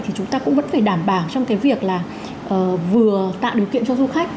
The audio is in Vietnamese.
thì chúng ta cũng vẫn phải đảm bảo trong cái việc là vừa tạo điều kiện cho du khách